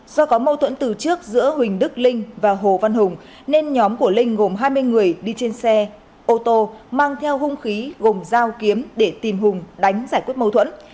do có mâu thuẫn từ trước giữa huỳnh đức linh và hồ văn hùng nên nhóm của linh gồm hai mươi người đi trên xe ô tô mang theo hung khí gồm dao kiếm để tìm hùng đánh giải quyết mâu thuẫn